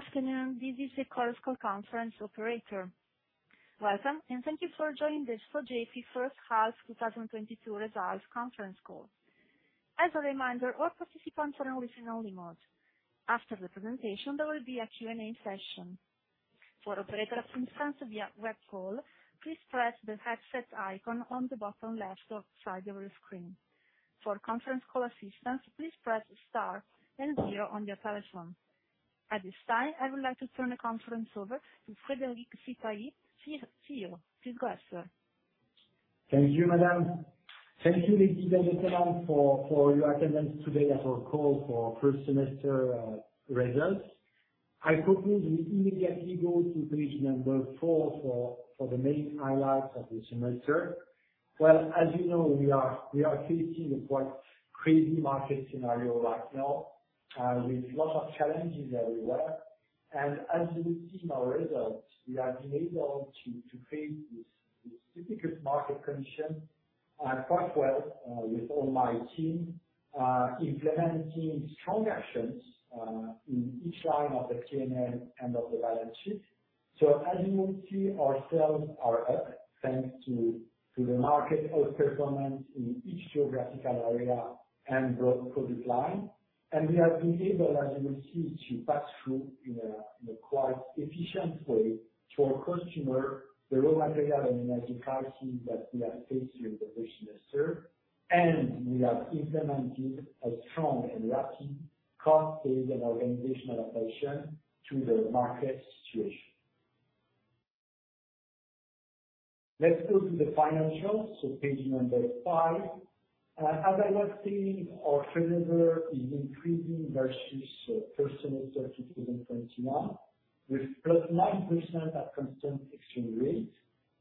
Good afternoon. This is your conference operator. Welcome, and thank you for joining the Sogefi first half 2022 results conference call. As a reminder, all participants are in listen-only mode. After the presentation, there will be a Q&A session. For operator assistance via web call, please press the headset icon on the bottom left side of your screen. For conference call assistance, please press star and zero on your telephone. At this time, I would like to turn the conference over to Frédéric Sipahi. Frédéric, please go ahead, sir. Thank you, madam. Thank you, ladies and gentlemen, for your attendance today at our call for first semester results. I propose we immediately go to page number 4 for the main highlights of the semester. Well, as you know, we are facing a quite crazy market scenario right now, with lot of challenges everywhere. As you will see in our results, we have been able to face this difficult market condition quite well, with all my team implementing strong actions in each line of the P&L and of the balance sheet. As you will see, our sales are up, thanks to the market outperformance in each geographical area and product line. We have been able, as you will see, to pass through in a quite efficient way to our customer, the raw material and energy prices that we have faced during the first semester. We have implemented a strong and lasting cost base and organizational adaptation to the market situation. Let's go to the financials, page 5. As I was saying, our turnover is increasing versus first semester 2021, with 9% at constant exchange rate,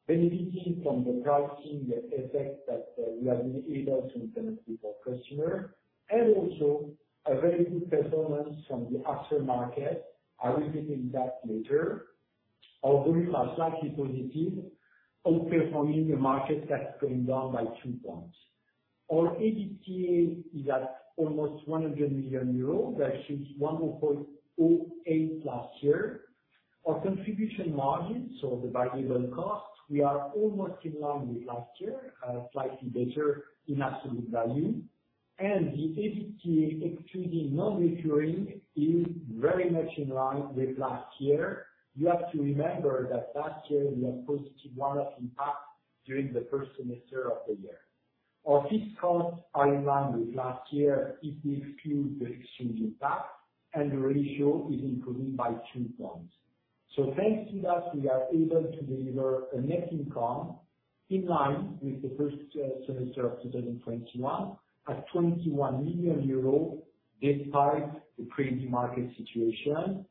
benefiting from the pricing effect that we have been able to implement with our customer. Also a very good performance from the aftermarket. I will be taking that later. Although it was slightly positive, outperforming the market that's going down by 2 percentage points. Our EBITDA is at almost 100 million euros versus 108 last year. Our contribution margin, so the variable cost, we are almost in line with last year, slightly better in absolute value. The EBITDA excluding non-recurring is very much in line with last year. You have to remember that that year we have positive one-off impact during the first semester of the year. Our fixed costs are in line with last year if we exclude the exchange impact, and the ratio is improving by 2 percentage points. Thanks to that, we are able to deliver a net income in line with the first semester of 2021, at 21 million euros, despite the crazy market situation.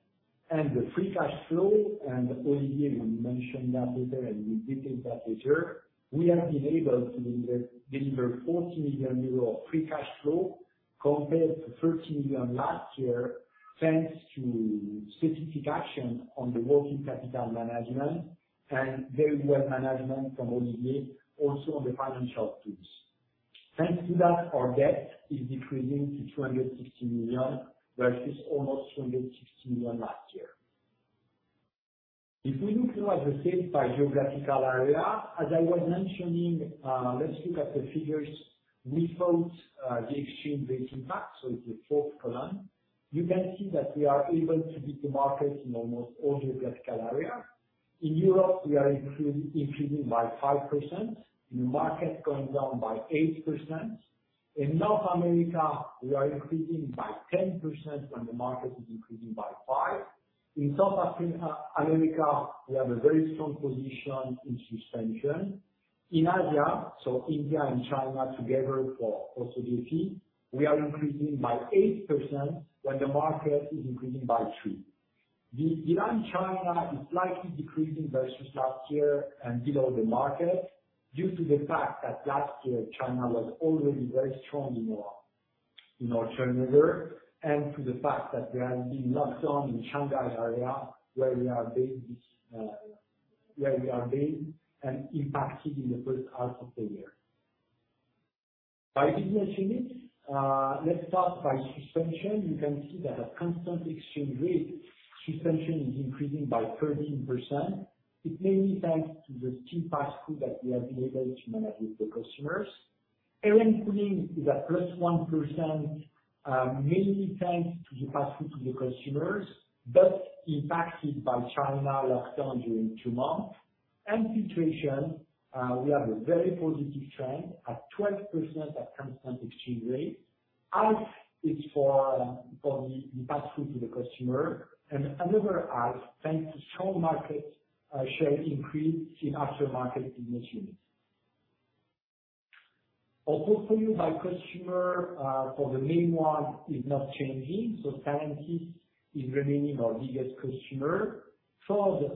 The free cash flow, and Olivier will mention that later, and we'll detail that later. We have been able to deliver 40 million euro of free cash flow compared to 30 million last year, thanks to specific action on the working capital management and very well management from Olivier, also on the financial tools. Thanks to that, our debt is decreasing to 260 million versus almost 360 million last year. If we look now at the sales by geographical area, as I was mentioning, let's look at the figures without the exchange rate impact, so it's the fourth column. You can see that we are able to beat the market in almost all geographical area. In Europe, we are increasing by 5%. In the market, going down by 8%. In North America, we are increasing by 10% when the market is increasing by 5%. In America, we have a very strong position in suspension. In Asia, so India and China together for Sogefi, we are increasing by 8% when the market is increasing by 3%. Beyond China is slightly decreasing versus last year and below the market due to the fact that last year China was already very strong in our turnover, and to the fact that there has been lockdown in Shanghai area, where we are impacted in the first half of the year. By business unit, let's start by suspension. You can see that at constant exchange rate, suspension is increasing by 13%. It's mainly thanks to the two pass-through that we have been able to manage with the customers. Air and Cooling is at 1%, mainly thanks to the pass-through to the customers, but impacted by China lockdown during two months. Filtration, we have a very positive trend at 12% at constant exchange rate. As it is for the pass-through to the customer. Another half thanks to strong market share increase in Aftermarket business units. Our portfolio by customer, for the main one, is not changing. Faurecia remains our biggest customer. Ford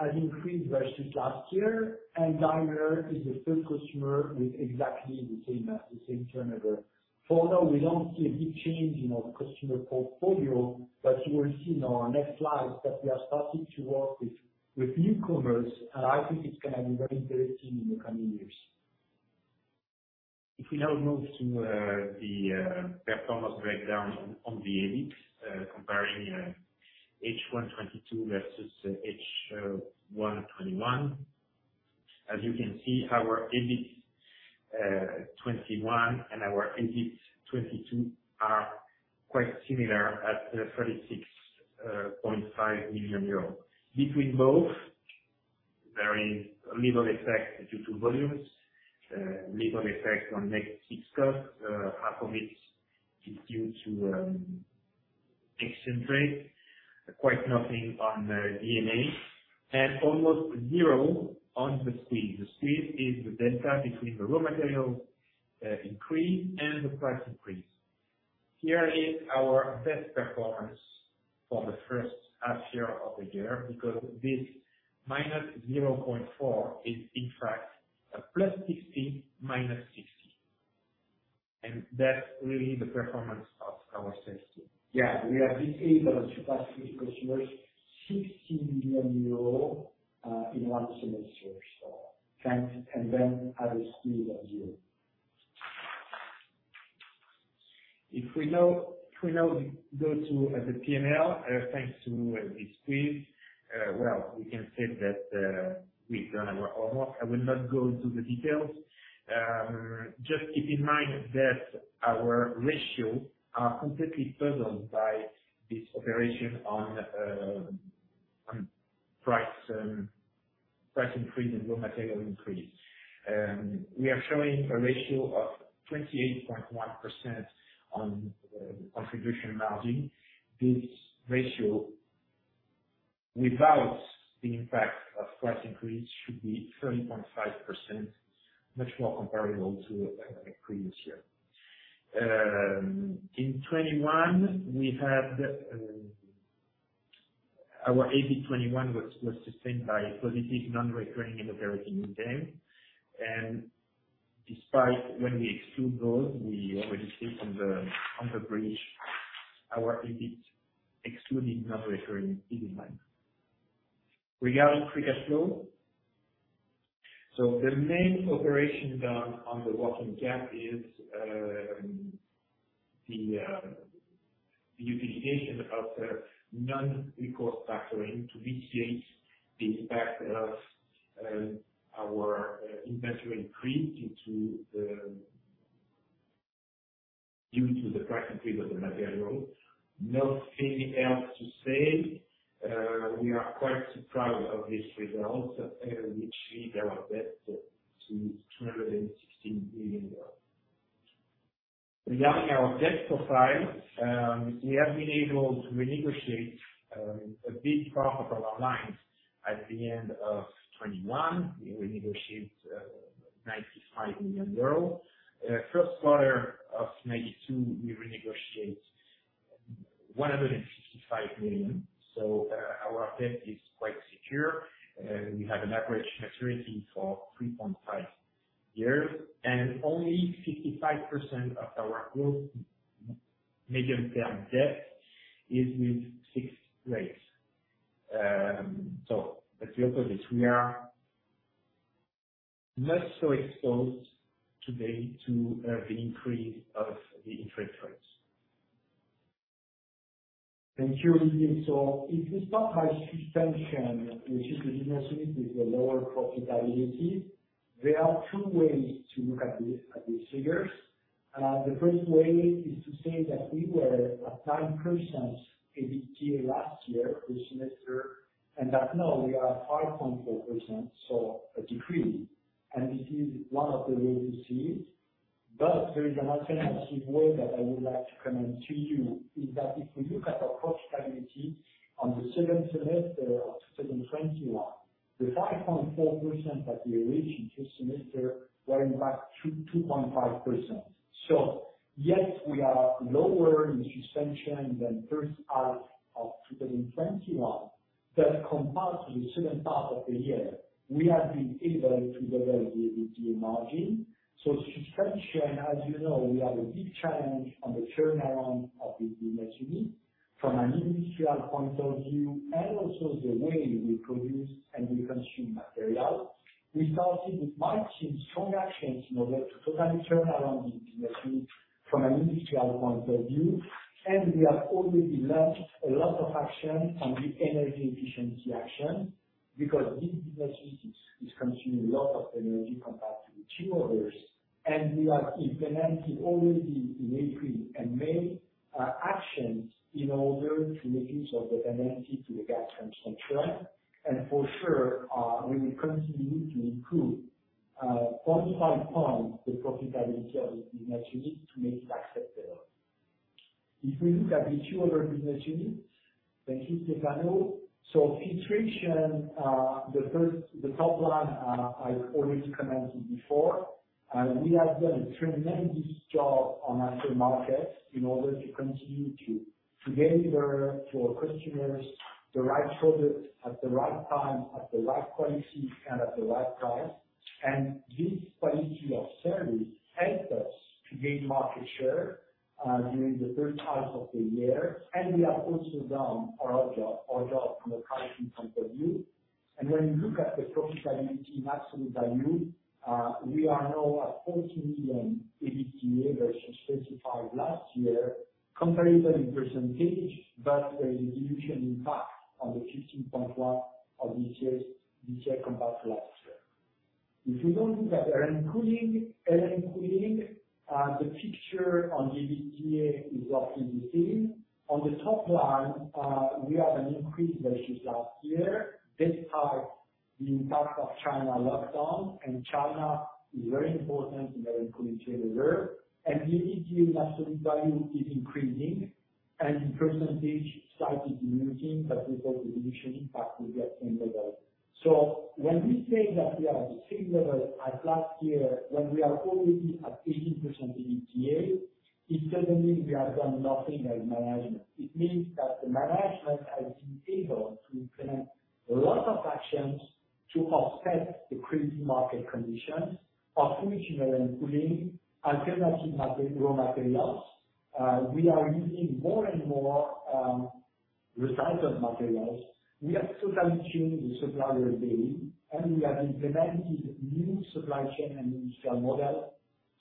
has increased versus last year. Daimler is the third customer with exactly the same turnover. For now, we don't see a big change in our customer portfolio, but you will see in our next slide that we are starting to work with newcomers. I think it's gonna be very interesting in the coming years. If we now move to the performance breakdown on the EBIT, comparing H1 2021 versus H1 2022. As you can see, our EBIT 2021 and our EBIT 2022 are quite similar at 36.5 million euros. Between both, there is a little effect due to volumes, little effect on A&C. Half of it is due to exchange rate, quite nothing on D&A and almost zero on the spread. The spread is the delta between the raw material increase and the price increase. Here is our best performance for the first half of the year because this -0.4 is in fact a 60 basis pionts minus 60 basis pionts. That's really the performance of our sales team. Yeah, we have been able to pass through customers EUR 60 million in one semester. Thanks, and then at a speed of zero. If we now go to the P&L, thanks to this speed, well, we can say that we've done our homework. I will not go into the details. Just keep in mind that our ratio are completely puzzled by this operation on price increase and raw material increase. We are showing a ratio of 28.1% on the contribution margin. This ratio, without the impact of price increase, should be 30.5%, much more comparable to previous year. In 2021, we had our EBIT 2021 was sustained by positive, non-recurring and other income. Despite when we exclude those, we already see on the bridge our EBIT excluding non-recurring is in line. Regarding free cash flow. The main operation done on the working cap is the utilization of the non-recourse factoring to mitigate the impact of our inventory increase due to the price increase of the material. Nothing else to say. We are quite proud of this result, which lead our debt to EUR 216 million. Regarding our debt profile, we have been able to renegotiate a big part of our lines at the end of 2021. We renegotiate 95 million euro. First quarter of 2022, we renegotiate 165 million. Our debt is quite secure. We have an average maturity for 3.5 years, and only 55% of our gross medium-term debt is with fixed rates. So at the opposite, we are less so exposed today to the increase of the interest rates. Thank you, Olivier. If we start by Suspension, which is the business unit with the lower profitability, there are two ways to look at these figures. The first way is to say that we were at 9% EBIT last year, this semester, and that now we are at 5.4%, so a decrease. This is one of the ways to see it. There is an alternative way that I would like to comment to you, is that if we look at our profitability on the second semester of 2021, the 5.4% that we reached in Q2 semester were in fact 2.2%. Yes, we are lower in Suspension than first half of 2021, but compared to the second part of the year, we have been able to develop the EBIT margin. Suspension, as you know, we have a big challenge on the turnaround of this business unit from an industrial point of view and also the way we produce and we consume materials. We started with launching strong actions in order to totally turn around the business unit from an industrial point of view. We have already launched a lot of action on the energy efficiency action because this business unit is consuming a lot of energy compared to the two others. We have implemented already in April and May actions in order to make use of the energy to the gas transformation. For sure we will continue to improve point by point the profitability of this business unit to make it acceptable. If we look at the two other business units. Thank you, Stefano. Filtration the top line I've already commented before. We have done a tremendous job on aftermarket in order to continue to deliver to our customers the right product at the right time, at the right quality and at the right price. This quality of service helped us gain market share during the third half of the year. We have also done our job from a pricing point of view. When you look at the profitability in absolute value, we are now at 40 million EBITDA versus 25 million last year comparable in percentage, but the dilution impact on the 15.1% of this year compared to last year. If we don't look at R&D including, the picture on EBITDA is roughly the same. On the top line, we have an increase versus last year, despite the impact of China lockdown. China is very important in our including reserve. EBITDA in absolute value is increasing and in percentage slightly diminishing, but with the dilution impact will be at same level. When we say that we are at the same level as last year, when we are already at 80% EBITDA, it doesn't mean we have done nothing as management. It means that the management has been able to implement a lot of actions to offset the crazy market conditions, including alternative raw materials. We are using more and more recycled materials. We are totally changing the supplier base, and we are implementing new supply chain and industrial model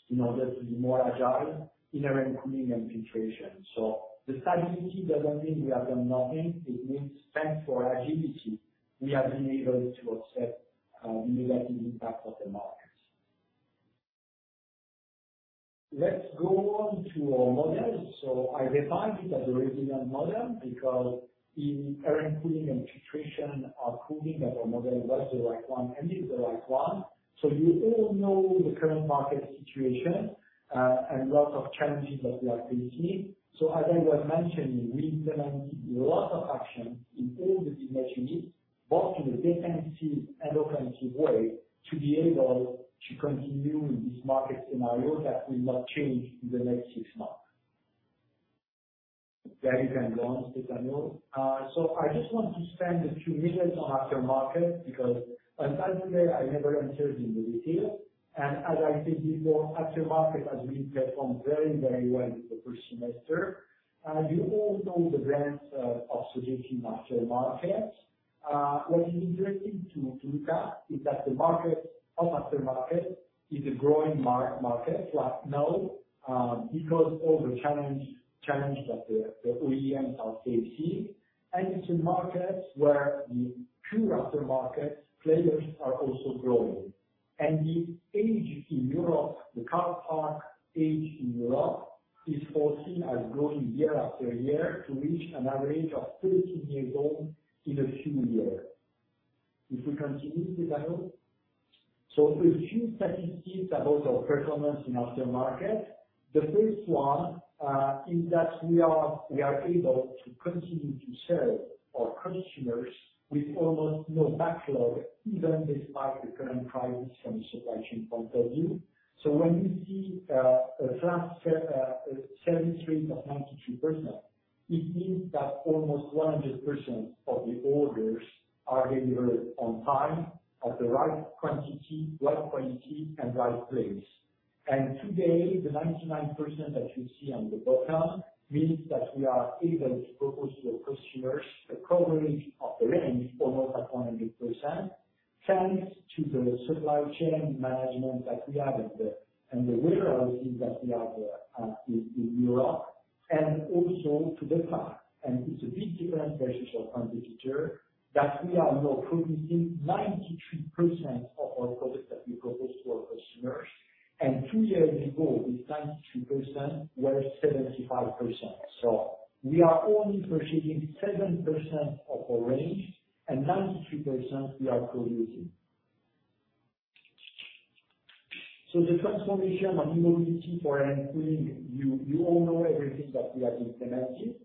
in order to be more agile in our Air and Cooling and Filtration. The stability doesn't mean we have done nothing. It means thanks to our agility, we have been able to offset the negative impact of the market. Let's go on to our model. I defined it as a resilient model because in our Air and Cooling and Filtration are proving that our model was the right one, and is the right one. You all know the current market situation, and lots of challenges that we are facing. As I was mentioning, we implemented a lot of action in all the dimensions, both in a defensive and offensive way, to be able to continue in this market scenario that will not change in the next six months. Very kind, Juan. Stefano. I just want to spend a few minutes on Aftermarket, because unfortunately I never entered in the detail. As I said before, Aftermarket has really performed very, very well in the first semester. You all know the brands of Sogefi Aftermarket. What is interesting to look at is that the market of aftermarket is a growing market right now, because all the challenges that the OEMs are facing. It's a market where the pure aftermarket players are also growing. The age in Europe, the car park age in Europe is foreseen as growing year after year to reach an average of 13 years old in a few years. If we continue, Stefano. A few statistics about our performance in aftermarket. The first one is that we are able to continue to serve our customers with almost no backlog, even despite the current crisis from a supply chain point of view. When you see a service rate of 92%, it means that almost 100% of the orders are delivered on time, at the right quantity, right quality, and right place. Today, the 99% that you see on the bottom means that we are able to propose to the customers the coverage of the range almost at 100%, thanks to the supply chain management that we have and the warehouses that we have in Europe, and also to the plant. It's a big difference versus our competitor, that we are now producing 93% of our products that we propose to our customers. Two years ago, this 93% was 75%. We are only purchasing 7% of our range and 93% we are producing. The transformation and new logic for including, you all know everything that we are implementing.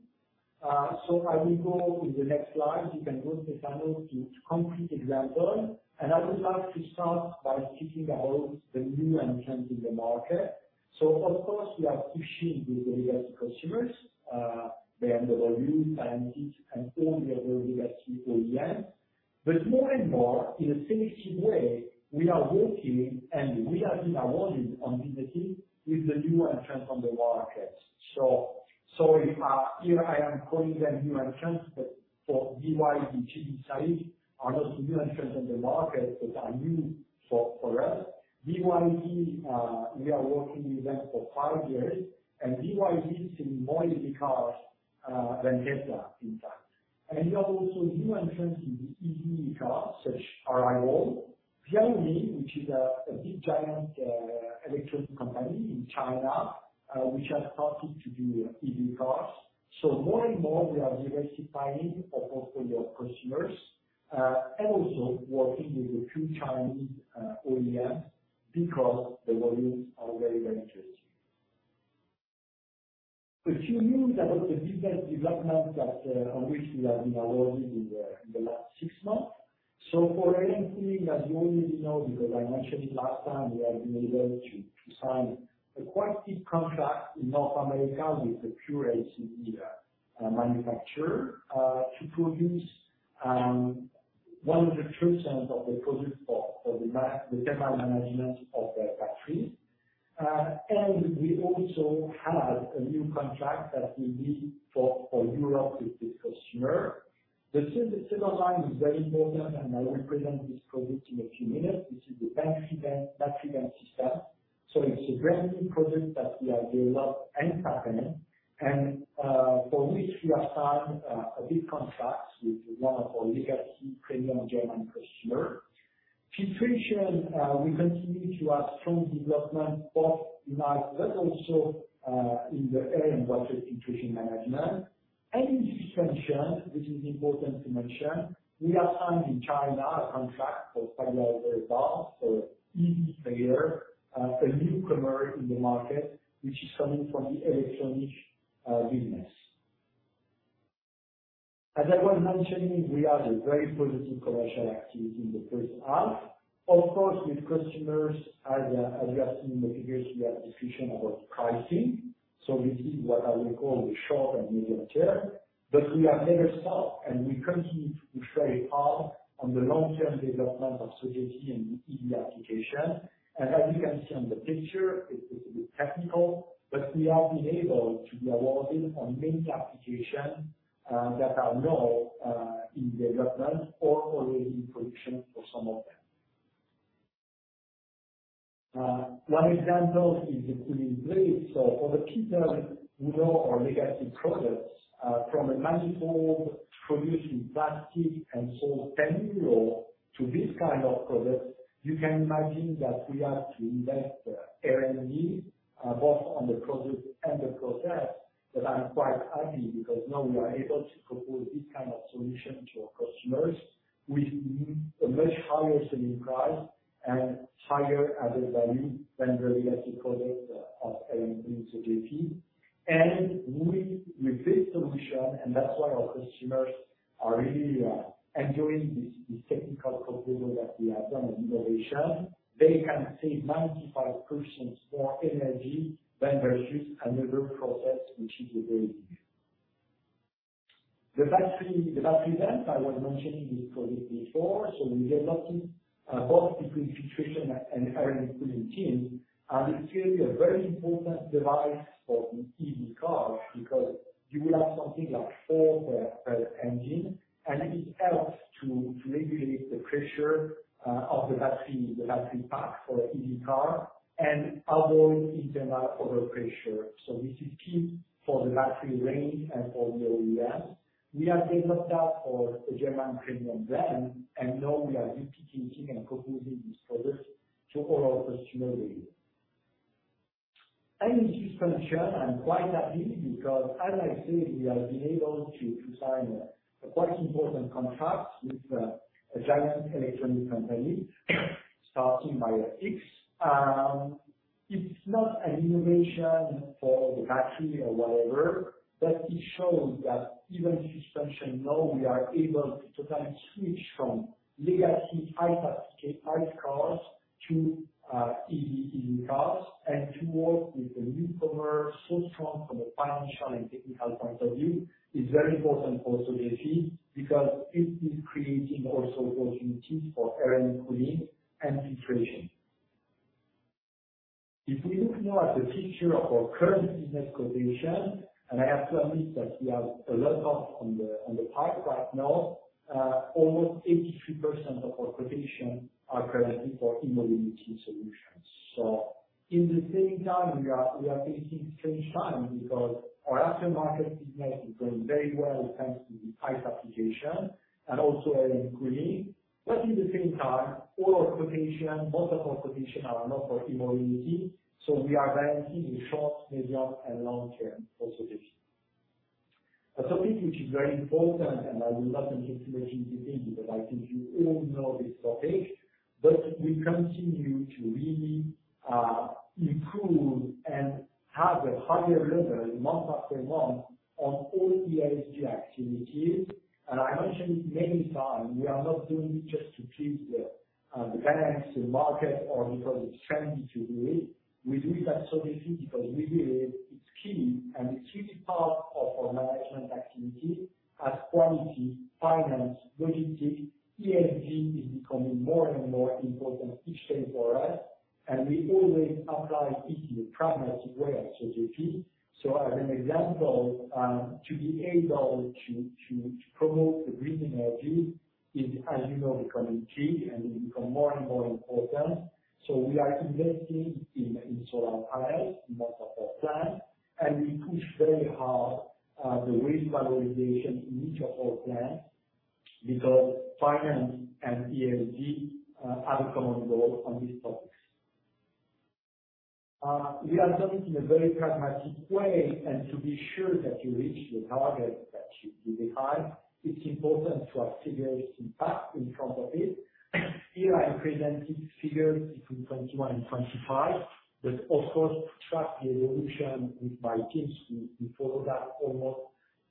I will go to the next slide. You can go, Stefano, to concrete example. I would like to start by speaking about the new entrants in the market. Of course, we are pushing with the legacy customers, they have the volume, and it's important we have a legacy OEM. More and more in a selective way, we are working and we are being awarded on business with the new entrants on the market. Here I am calling them new entrants, but for BYD, Changan are not new entrants in the market, but are new for us. BYD, we are working with them for five years, and BYD is in more electric cars than Tesla in fact. We have also new entrants in the EV cars such as NIO, Geely, which is a big giant electronic company in China, which are starting to do EV cars. More and more we are diversifying our portfolio of customers and also working with a few Chinese OEMs because the volumes are very interesting. A few news about the biggest development that on which we have been awarded in the last six months. For Air and Cooling, as you already know, because I mentioned it last time, we have been able to sign a quite big contract in North America with a pure BEV manufacturer to produce. One of the key centers of the project for the thermal management of the battery. We also have a new contract that will be for Europe with this customer. The similar line is very important, and I will present this project in a few minutes. This is the Battery vent system. It's a brand new project that we have developed and patented and for which we have signed a big contract with one of our legacy premium German customer. Filtration, we continue to have strong development both in ICE but also in the air and water filtration management. Suspension, this is important to mention. We have signed in China a contract for 500,000 for EV player, a newcomer in the market which is coming from the electronics business. As I was mentioning, we had a very positive commercial activity in the first half. Of course, with customers as you have seen in the figures, we are deficient about pricing, so this is what I will call the short and medium term. We have never stopped, and we continue to push very hard on the long-term development of Sogefi in EV application. As you can see on the picture, it is a bit technical, but we have been able to be awarded on many applications that are now in development or already in production for some of them. One example is including this. For the people who know our legacy products, from a manifold produced in plastic and so on to this kind of product, you can imagine that we have to invest R&D both on the product and the process. I'm quite happy because now we are able to propose this kind of solution to our customers with a much higher selling price and higher added value than the legacy product of Air and Cooling Sogefi. With this solution, and that's why our customers are really enjoying this technical proposal that we have done as innovation. They can save 95% more energy than versus another process, which is available. The battery vent I was mentioning this project before, so the development both between Filtration and Air and Cooling team, and it's really a very important device for the EV cars because you will have something like four engine, and it helps to regulate the pressure of the battery pack for EV car and avoid internal overpressure. This is key for the battery range and for the OEM. We have developed that for a German premium brand, and now we are duplicating and proposing this product to all our customers. Suspension I'm quite happy because as I said, we have been able to sign a quite important contract with a giant electric company starting by X. It's not an innovation for the battery or whatever, but it shows that even if Suspension now we are able to then switch from legacy ICE cars to EV cars and to work with a newcomer so strong from a financial and technical point of view is very important for Sogefi because it is creating also opportunities for Air and Cooling and Filtration. If we look now at the picture of our current business quotations, and I have to admit that we have a lot on the pipeline right now. Almost 83% of our quotations are presently for e-mobility solutions. At the same time we are taking our time because our aftermarket business is going very well, thanks to the ICE application and also Air and Cooling. At the same time, most of our quotations are now for e-mobility, so we are balancing short, medium, and long-term for Sogefi. A topic which is very important, and I will not enter too much into detail because I think you all know this topic, but we continue to really improve and have a higher level month after month on all ESG activities.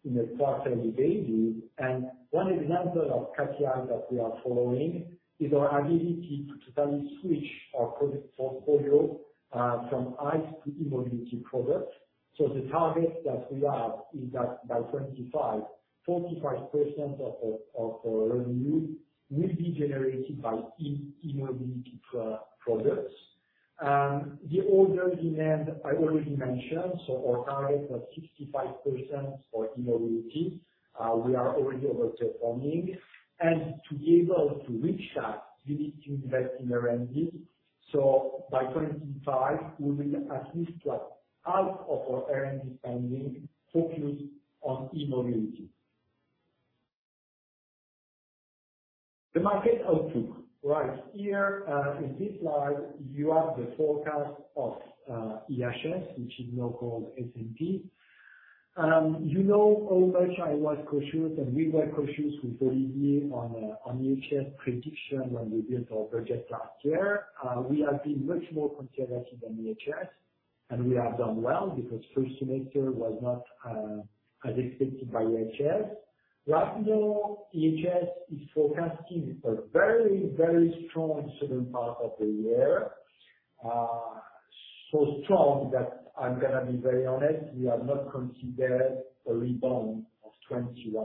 teams, we follow that almost on a quarterly basis. One example of KPIs that we are following is our ability to totally switch our product portfolio from ICE to e-mobility products. The target that we have is that by 2025, 45% of the revenue will be generated by e-mobility products. The order demand I already mentioned, so our target was 65% for innovation. We are already overperforming. To be able to reach that, you need to invest in R&D. By 2025, we will at least have half of our R&D spending focused on innovation. The market outlook. Right. Here, in this slide, you have the forecast of IHS, which is now called S&P. You know how much I was cautious and we were cautious with Olivier on IHS prediction when we built our budget last year. We have been much more conservative than IHS, and we have done well because first semester was not as expected by IHS. Right now, IHS is forecasting a very, very strong second part of the year, so strong that I'm gonna be very honest, we have not considered a rebound of 21%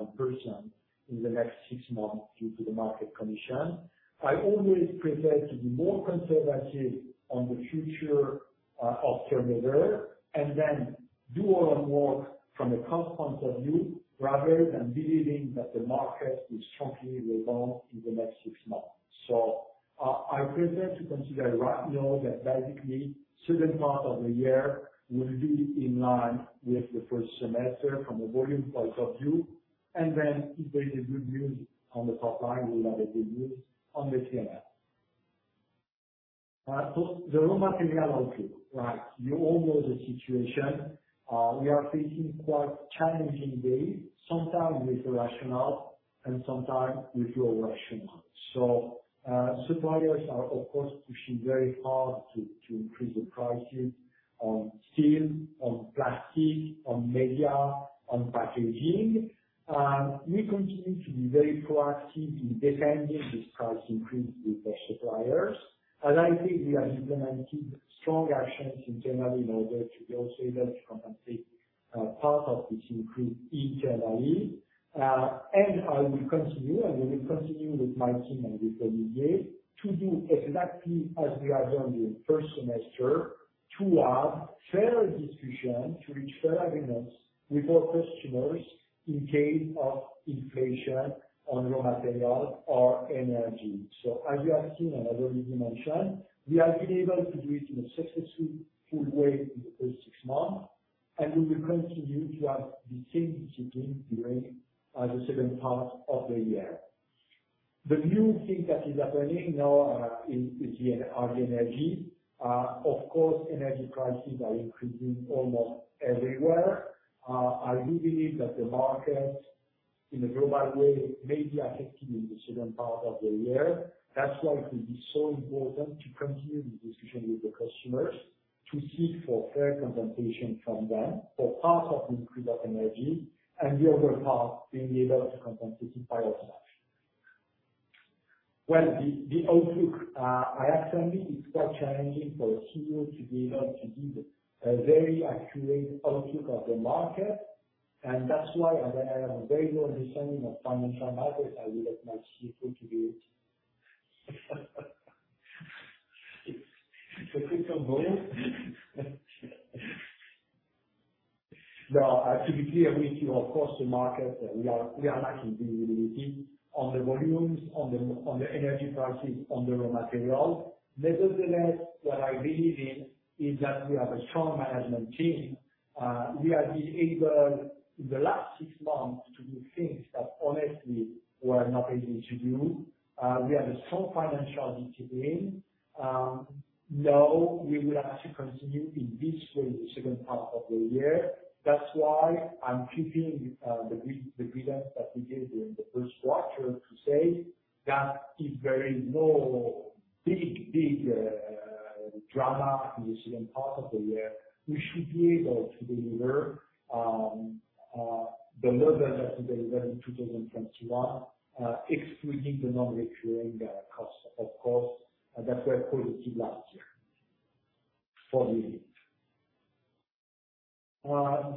in the next six months due to the market condition. I always prefer to be more conservative on the future of the market, and then do our own work from a cost point of view, rather than believing that the market will strongly rebound in the next six months. I prefer to consider right now that basically the second part of the year will be in line with the first semester from a volume point of view, and then if there is good news on the top line, we'll have good news on the P&L. The raw material outlook. Right. You all know the situation. We are facing quite challenging days, sometimes rational and sometimes irrational. Suppliers are, of course, pushing very hard to increase the prices on steel, on plastic, on metal, on packaging. We continue to be very proactive in defending this price increase with our suppliers. I think we are implementing strong actions internally in order to be also able to compensate part of this increase internally. I will continue, and we will continue with my team and with Olivier, to do exactly as we have done in first semester, to have fair discussion, to reach fair agreements with our customers in case of inflation on raw material or energy. As you have seen, and I've already mentioned, we have been able to do it in a successful way in the first six months, and we will continue to have the same discipline during the second part of the year. The new thing that is happening now is on the energy. Of course, energy prices are increasing almost everywhere. I do believe that the market in a global way may be affected in the second part of the year. That's why it will be so important to continue the discussion with the customers to seek for fair compensation from them for part of the increase of energy and the other part being able to compensate it by ourselves. Well, the outlook, I actually think it's quite challenging for a CEO to be able to give a very accurate outlook of the market. That's why as I have a very low understanding of financial markets, I will have much difficulty to keep on going. Now, to be clear with you, of course, we are lacking visibility on the volumes, on the energy prices, on the raw material. Nevertheless, what I believe in is that we have a strong management team. We have been able in the last six months to do things that honestly were not easy to do. We have a strong financial discipline. Now we will have to continue in this way the second part of the year. That's why I'm keeping the guidance that we gave during the first quarter to say that if there is no big drama in the second part of the year, we should be able to deliver the level that we delivered in 2021, excluding the non-recurring cost, of course, that we have collected last year for the year.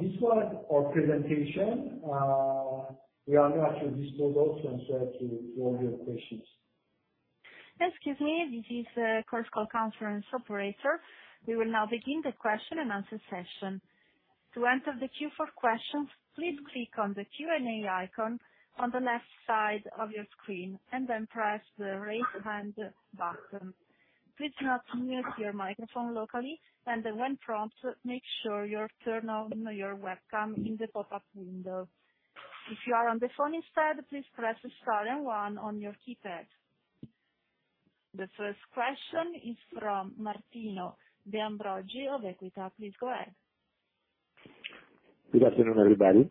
This was our presentation. We are now at your disposal to answer to all your questions. Excuse me. This is the conference call operator. We will now begin the question and answer session. To enter the queue for questions, please click on the Q&A icon on the left side of your screen and then press the Raise Hand button. Please mute your microphone locally, and when prompted, make sure you turn on your webcam in the pop-up window. If you are on the phone instead, please press star and one on your keypad. The first question is from Martino De Ambroggi of Equita. Please go ahead. Good afternoon, everybody.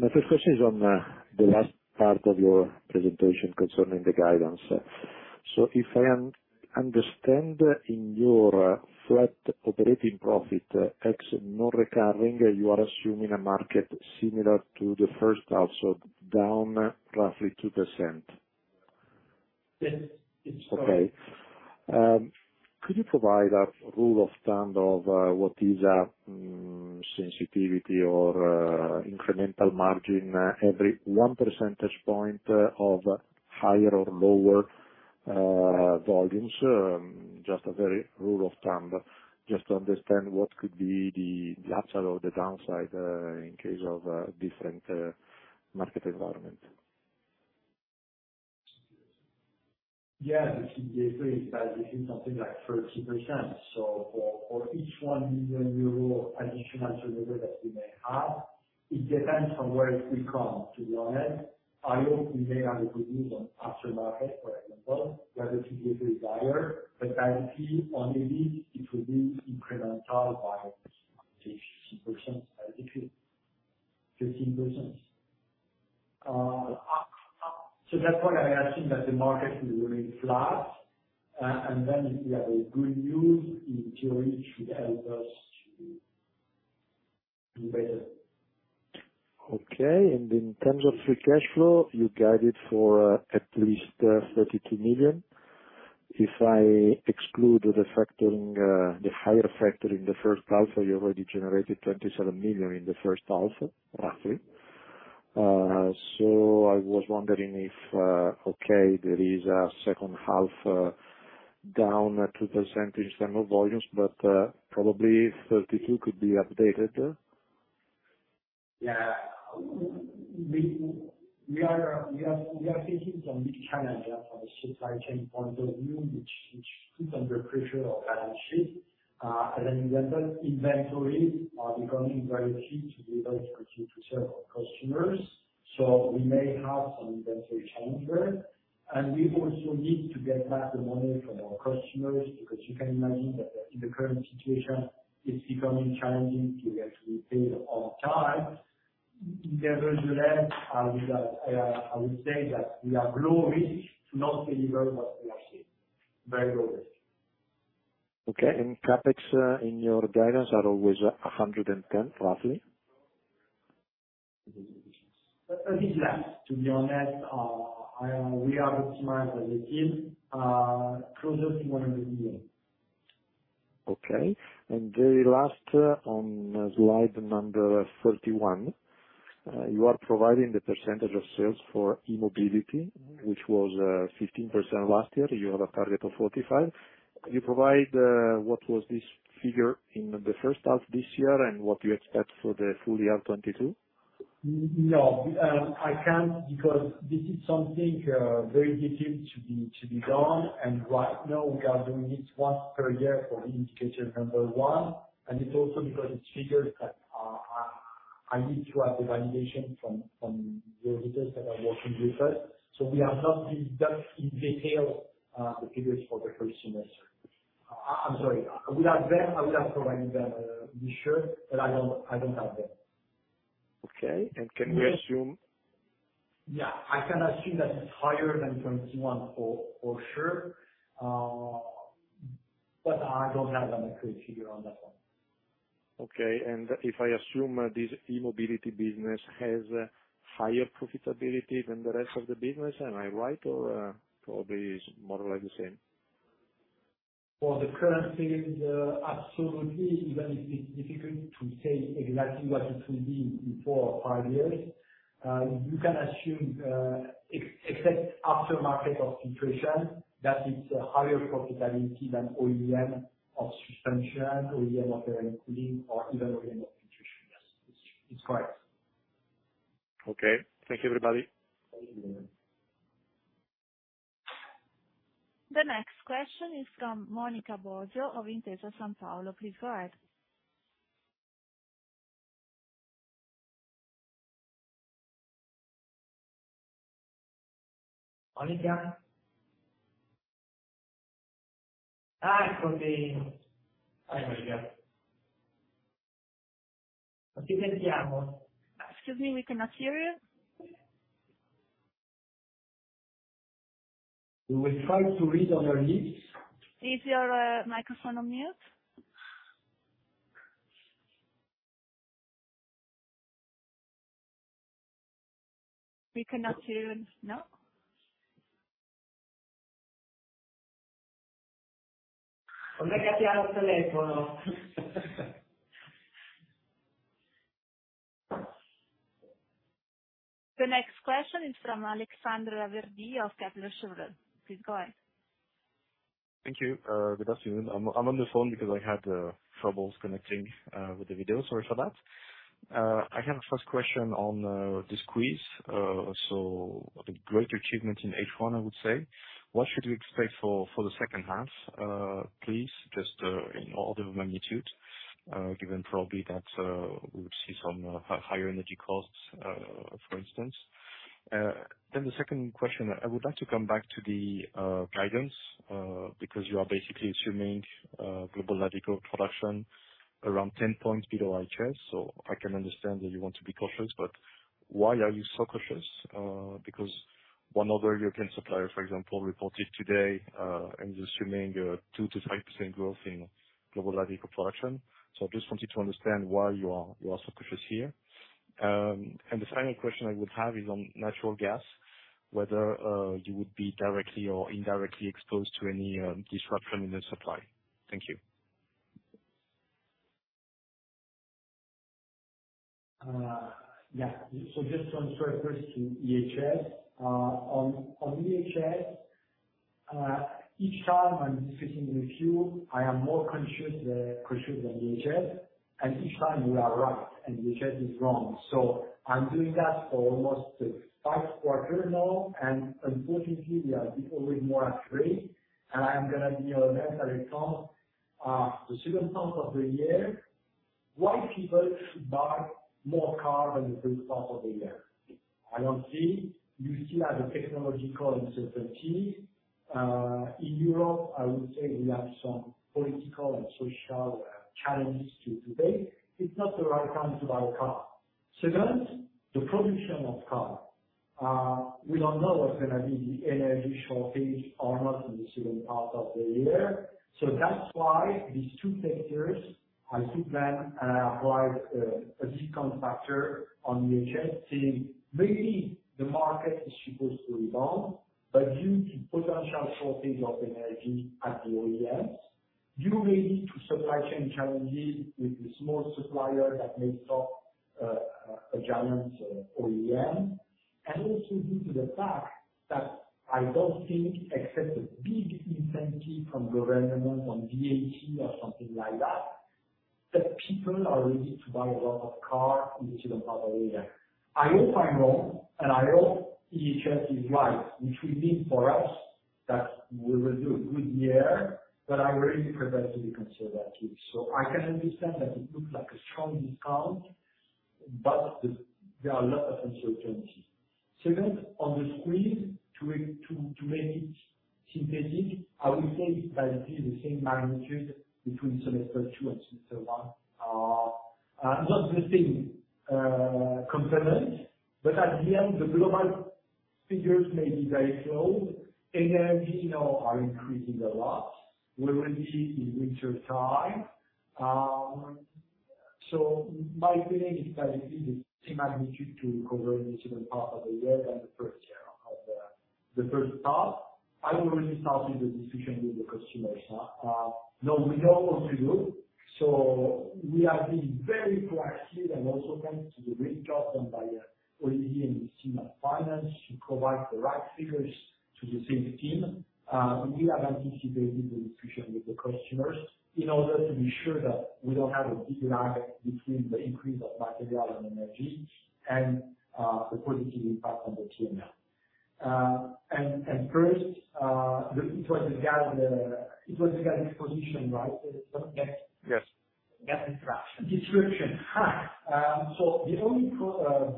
My first question is on the last part of your presentation concerning the guidance. If I understand in your flat operating profit ex non-recurring, you are assuming a market similar to the first half, so down roughly 2%. Yes. It's correct. Okay. Could you provide a rule of thumb of what is? Sensitivity or incremental margin every 1 percentage point of higher or lower volumes. Just a very rough rule of thumb, just to understand what could be the upside or the downside in case of a different market environment. Yeah. The contribution margin is something like 30%. For each 1 million euro of additional turnover that we may have, it depends on where it will come, to be honest. I hope we may have good news on aftermarket, for example, where the contribution margin is higher, but I will see, or maybe it will be incremental by 6%-6%, basically. 15%. That's why I assume that the market is really flat. And then if we have good news, in theory, it should help us to do better. Okay. In terms of free cash flow, you guided for at least 32 million. If I exclude the factoring, the higher factor in the first half, you already generated 27 million in the first half, roughly. I was wondering if there is a second half, down 2% in similar volumes, but probably 32 could be updated. Yeah. We are facing some big challenge from a supply chain point of view, which is under pressure on the balance sheet. Inventory is becoming very key to be able to serve our customers. We may have some inventory challenges. We also need to get back the money from our customers, because you can imagine that in the current situation, it's becoming challenging to get repaid on time. In the end of the day, I will say that we run a global risk to not deliver what we are seeing. Very global risk. Okay. CapEx in your guidance are always 110 million, roughly? A bit less, to be honest. We are optimized as a team, closer to EUR 100 million. Okay. The last, on slide number 31. You are providing the percentage of sales for e-mobility, which was 15% last year. You have a target of 45%. Can you provide what was this figure in the first half this year and what you expect for the full year 2022? No, I can't because this is something very detailed to be done. Right now we are doing it once per year for the indicator number one. It's also because it's figures that I need to have the validation from the leaders that are working with us. We have not been that in detail, the figures for the first semester. I'm sorry. With that said, I would have provided them this year, but I don't have them. Okay. Can we assume- Yeah. I can assume that it's higher than 21% for sure. I don't have an accurate figure on that one. Okay. If I assume this e-mobility business has higher profitability than the rest of the business. Am I right or, probably it's more like the same? For the current period, absolutely, even if it's difficult to say exactly what it will be in four or five years, you can assume, except Aftermarket or Filtration, that it's a higher profitability than OEM or Suspension, OEM or Air and Cooling or even OEM or Filtration. Yes, it's true. It's correct. Okay. Thank you, everybody. Thank you. The next question is from Monica Bosio of Intesa Sanpaolo. Please go ahead. Monica? Excuse me, we cannot hear you. We will try to read on your lips. Is your microphone on mute? We cannot hear. No. The next question is from Alexandre Geai of Kepler Cheuvreux. Please go ahead. Thank you. Good afternoon. I'm on the phone because I had troubles connecting with the video. Sorry for that. I have a first question on this squeeze. So the great achievement in H1, I would say. What should we expect for the second half, please? Just in order of magnitude, given probably that we would see some higher energy costs, for instance. The second question. I would like to come back to the guidance, because you are basically assuming global light vehicle production around 10 points below 2019. I can understand that you want to be cautious, but why are you so cautious? Because one other European supplier, for example, reported today, and is assuming a 2%-5% growth in global light vehicle production. I just wanted to understand why you are so cautious here. The final question I would have is on natural gas, whether you would be directly or indirectly exposed to any disruption in the supply. Thank you. Yeah. Just on the first question, IHS. On IHS, each time I'm discussing with you, I am more conscious on IHS, and each time you are right and IHS is wrong. I'm doing that for almost five quarters now, and unfortunately they are always more accurate. I'm gonna be honest, in the second half of the year, why people should buy more cars in the first half of the year? I don't see. You still have a technological uncertainty. In Europe, I would say we have some political and social challenges to take. It's not the right time to buy a car. Second, the production of cars. We don't know what's gonna be the energy shortage or not in the second part of the year. That's why these two factors, I still plan and apply a discount factor on IHS, saying maybe the market is supposed to rebound, but due to potential shortage of energy at the OEMs, due maybe to supply chain challenges with the small supplier that may stop a giant OEM. Also due to the fact that I don't think, except a big incentive from government on VAT or something like that people are ready to buy a lot of car in the second part of the year. I hope I'm wrong, and I hope IHS is right, which will mean for us that we will do a good year, but I really prefer to be conservative. I can understand that it looks like a strong discount, but there are a lot of uncertainties. Second, on the squeeze, to make it synthetic, I would say it's basically the same magnitude between semester two and semester one. Not the same component, but at the end, the global figures may be very close. Energy now are increasing a lot. We're in the winter time. My feeling is that it is the same magnitude to cover in the second part of the year than the first half. I've already started the discussion with the customers. No, we know what to do. We have been very proactive, and also thanks to the great job done by Olivier and his team at finance to provide the right figures to the sales team. We have anticipated the discussion with the customers in order to be sure that we don't have a big lag between the increase of material and energy and the productivity impact on the P&L. First, it was a gas exposure, right? Yes. Gas disruption. The only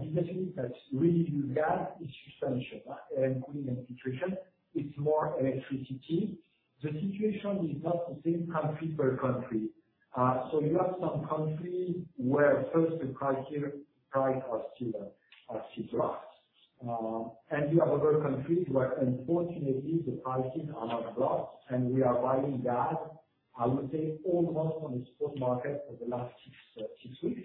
business unit that really uses gas is Suspension, including Filtration. It's more electricity. The situation is not the same country per country. You have some countries where the price has dropped. You have other countries where unfortunately the prices have not dropped, and we are buying gas, I would say, almost on the spot market for the last six weeks.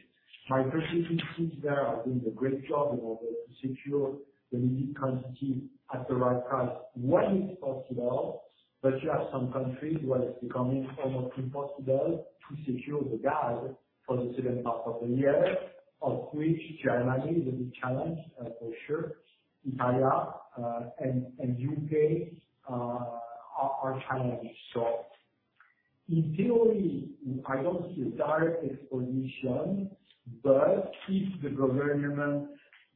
My purchasing teams there are doing a great job in order to secure the quantity at the right price when it's possible. You have some countries where it's becoming almost impossible to secure the gas for the second part of the year, of which Germany is a big challenge, for sure. Italy and U.K. are challenging. In theory, I don't see a direct exposure, but if the government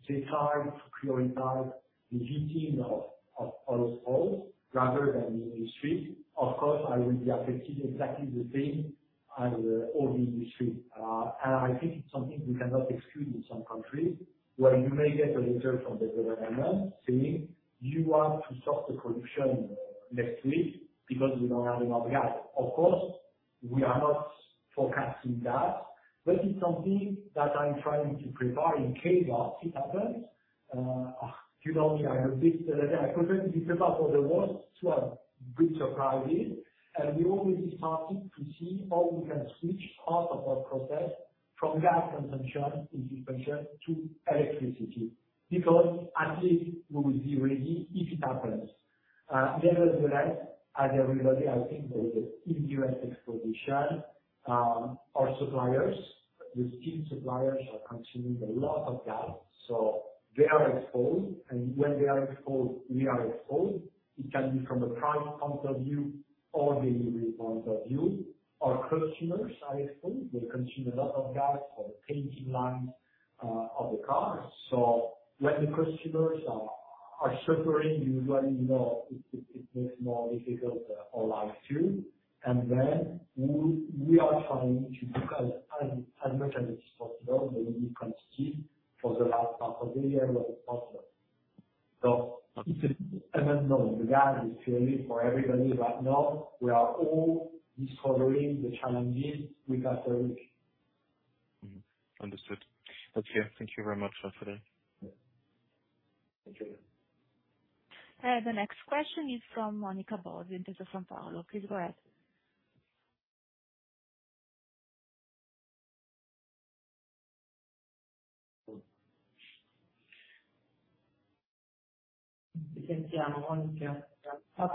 decide to prioritize the heating of homes rather than the industry, of course I will be affected exactly the same as all the industry. I think it's something we cannot exclude in some countries where you may get a letter from the government saying, "You have to stop the production next week because we don't have enough gas." Of course, we are not forecasting that, but it's something that I'm trying to prepare in case that it happens. You know me, I always prefer to be prepared for the worst so I'm a bit surprised. We already started to see how we can switch part of our process from gas consumption in heating to electricity, because at least we will be ready if it happens. Nevertheless, as everybody, I think there is an indirect exposure. Our suppliers, the steel suppliers are consuming a lot of gas, so they are exposed. When they are exposed, we are exposed. It can be from a price point of view or delivery point of view. Our customers are exposed. They consume a lot of gas for the painting lines of the cars. When the customers are suffering, usually, you know, it makes more difficult our life too. Then we are trying to book as much as it is possible, the unique quantity for the last part of the year when it's possible. It's a never known. The gas is really for everybody right now. We are all discovering the challenges we got to reach. Understood. Okay. Thank you very much for today. Thank you. The next question is from Monica Bosio of Intesa Sanpaolo. Please go ahead. Thank you everyone. I'm just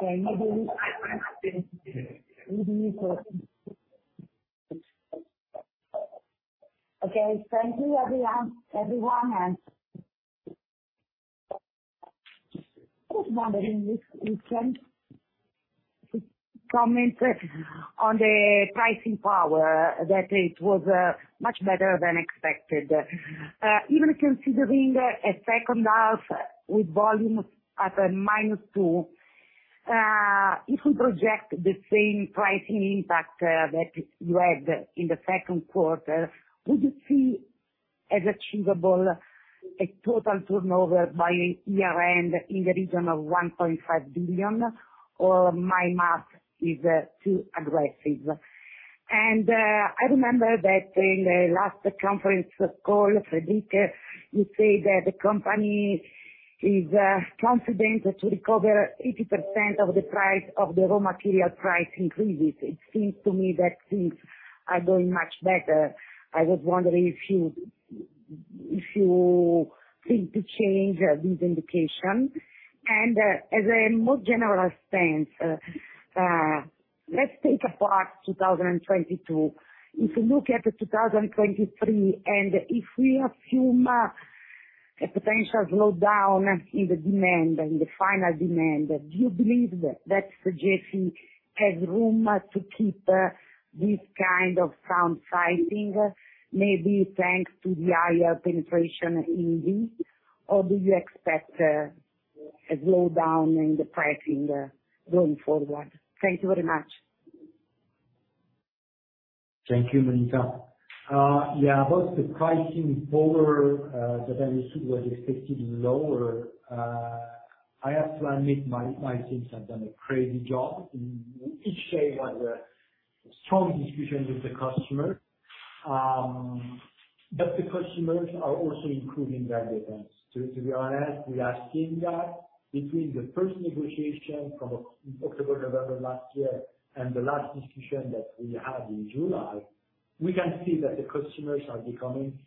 wondering if you can comment on the pricing power, that it was much better than expected. Even considering a second half with volumes at -2%, if we project the same pricing impact that you had in the second quarter, would you see as achievable a total turnover by year-end in the region of 1.5 billion, or my math is too aggressive? I remember that in the last conference call, Frédéric, you said that the company is confident to recover 80% of the price of the raw material price increases. It seems to me that things are going much better. I was wondering if you think to change this indication. As a more general stance, let's take apart 2022. If you look at 2023, and if we assume a potential slowdown in the demand, in the final demand, do you believe that Sogefi has room to keep this kind of sound pricing, maybe thanks to the higher penetration in EV, or do you expect a slowdown in the pricing going forward? Thank you very much. Thank you, Monica. Yeah, about the pricing power, that I understood was expected lower, I have to admit my teams have done a crazy job in each phase of the strong distribution with the customer. The customers are also improving their defense. To be honest, we are seeing that between the first negotiation from October, November last year and the last discussion that we had in July, we can see that the customers are becoming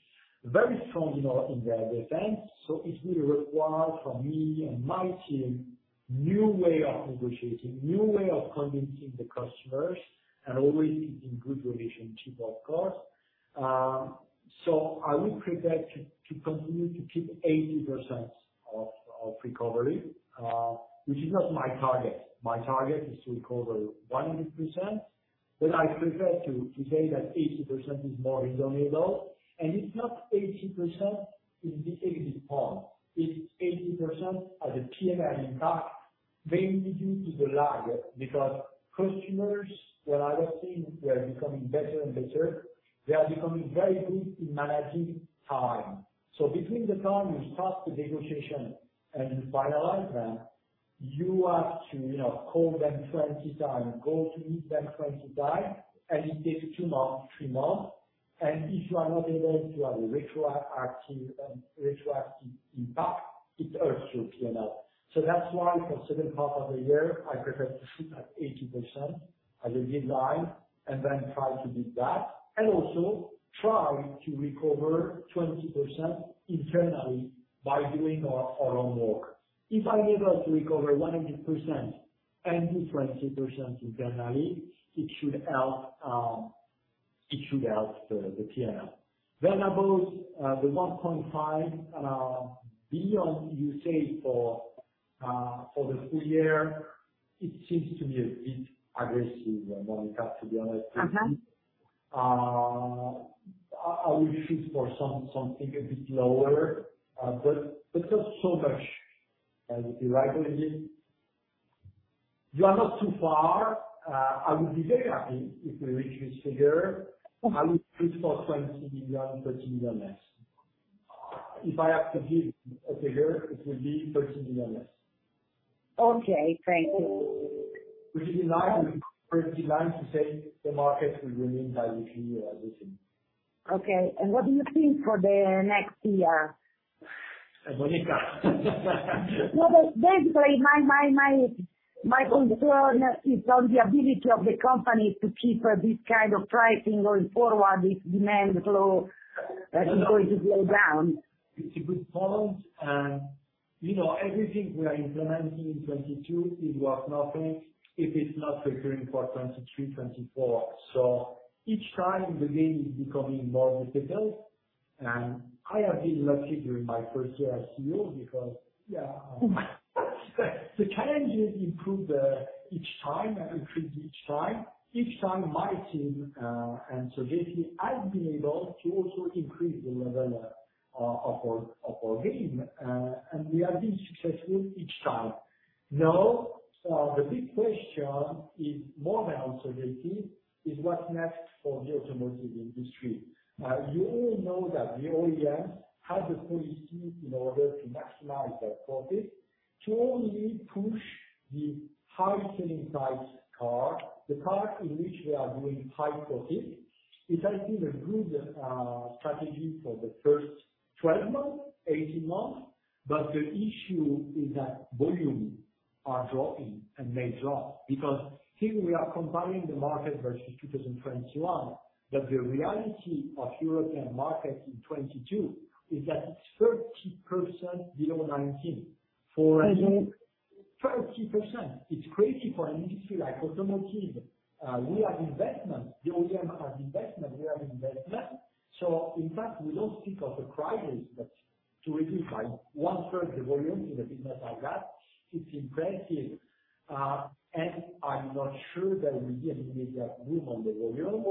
very strong, you know, in their defense. It will require from me and my team new way of negotiating, new way of convincing the customers and always in good relationship, of course. I would prefer to continue to keep 80% of recovery, which is not my target. My target is to recover 100%. I prefer to say that 80% is more reasonable, and it's not 80% in basis point. It's 80% as a P&L impact, mainly due to the lag. Because customers, what I have seen, they are becoming better and better. They are becoming very good in managing time. Between the time you start the negotiation and you finalize them, you have to call them 20 times, go to meet them 20 times, and it takes two months, three months. If you are not able to have a retroactive impact, it hurts your P&L. That's why for seventy percent of the year, I prefer to sit at 80% as a guideline and then try to beat that and also try to recover 20% internally by doing our own work. If I'm able to recover 100% and this 20% internally, it should help the P&L. About the 1.5 billion beyond you say for the full year, it seems to me a bit aggressive, Monica, to be honest with you. Mm-hmm. I will shoot for something a bit lower, but it's not so much as you rightly. You are not too far. I will be very happy if we reach this figure. Okay. I will push for 20 million, 30 million less. If I have to give a figure, it will be 30 million less. Okay, thank you. Which is in line with pretty line to say the market will remain flat this year, I think. Okay. What do you think for the next year? Monica No, basically my concern is on the ability of the company to keep this kind of pricing going forward, this demand flow that is going to be ongoing. It's a good point. You know, everything we are implementing in 2022, it's worth nothing if it's not recurring for 2023, 2024. Each time the game is becoming more difficult. I have been lucky during my first year as CEO because the challenges improve each time and increase each time. Each time my team and Sogefi has been able to also increase the level of our game. We have been successful each time. Now, the big question is, more than Sogefi, what's next for the automotive industry. You all know that the OEMs have the policy in order to maximize their profit to only push the high selling price car, the car in which we are doing high profit. It has been a good strategy for the first 12 months, 18 months, but the issue is that volume are dropping and may drop because here we are comparing the market versus 2021, but the reality of European markets in 2022 is that it's 30% below 2019. I mean. 30%. It's crazy for an industry like automotive. We have investment. The OEM have investment. We have investment. In fact, we don't speak of the crisis, but to reduce by one-third the volume in a business like that, it's impressive. I'm not sure that we immediately have room on the volume.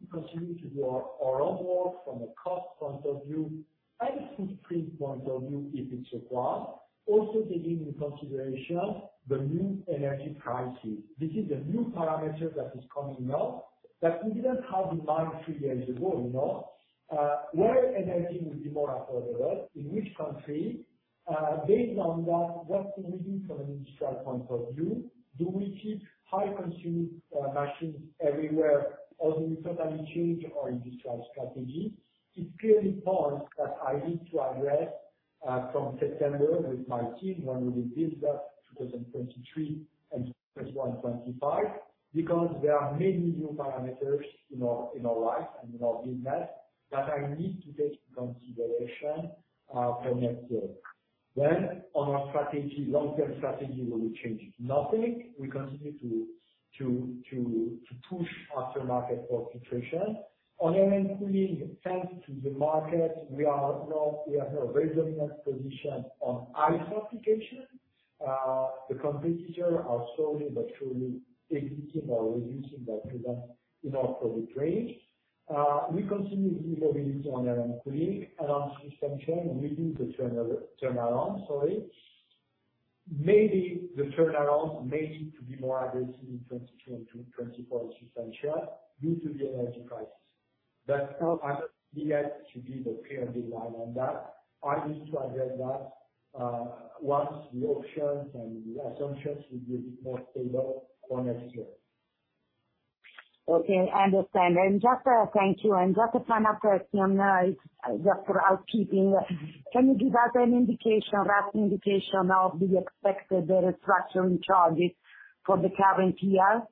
We continue to do our own work from a cost point of view and a footprint point of view, if it's required. Also taking into consideration the new energy prices. This is a new parameter that is coming up that we didn't have in mind three years ago, you know. Where energy will be more affordable, in which country, based on that, what do we do from an industrial point of view? Do we keep high consuming machines everywhere or do we totally change our industrial strategy? It's clear points that I need to address from September with my team when we reveal the 2023-2025. Because there are many new parameters in our life and in our business that I need to take into consideration for next year. On our strategy, long-term strategy will be changing nothing. We continue to push aftermarket penetration. On Air and Cooling, thanks to the market, we are now, we have a very dominant position on ICE application. The competitors are slowly but surely exiting or reducing their presence in our product range. We continue to deliver this on Air and Cooling. On Suspension, we do the turnaround, sorry. Maybe the turnaround may need to be more aggressive in 2022-2024 on Suspension due to the energy prices. No other yet to give a clear deadline on that. I need to address that, once the options and the assumptions will be more stable for next year. Okay, I understand. Just, thank you. Just a final question, just for our keeping. Can you give us a rough indication of the expected restructuring charges for the current year?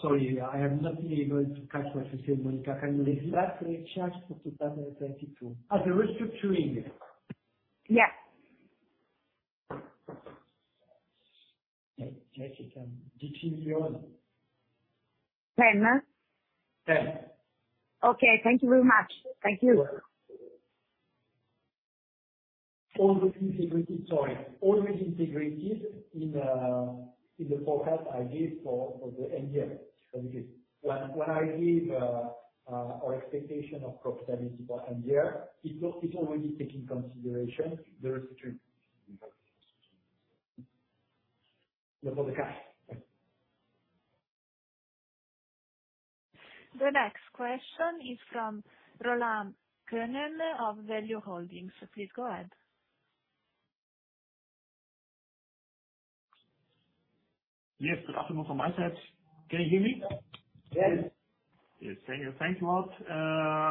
Sorry, I am not able to capture what you said, Monica. Can you repeat? The restructuring charge for 2022. The restructuring. Yeah. Ten. Okay, thank you very much. Thank you. Always integrated in the forecast I give for the end year. When I give our expectation of profitability for end year, it's already taking into consideration the restructuring. No further comment. The next question is from Roland Könen of Value Holdings. Please go ahead. Yes, good afternoon from my side. Can you hear me? Yes. Yes, thank you. Thanks a lot.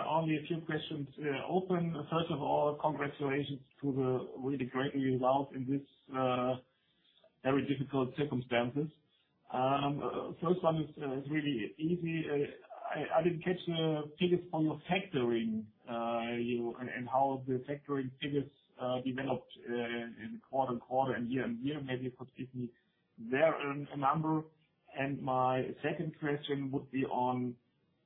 Only a few questions open. First of all, congratulations to the really great result in this very difficult circumstances. First one is really easy. I didn't catch the figures on your factoring, you know, and how the factoring figures developed in quarter-over-quarter and year-over-year. Maybe you could give me there a number. My second question would be on